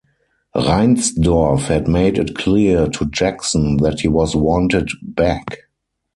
Reinsdorf had made it clear to Jackson that he was wanted back.